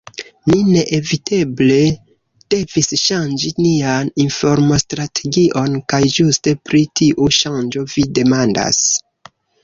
Ni neeviteble devis ŝanĝi nian informstrategion, kaj ĝuste pri tiu ŝanĝo vi demandas.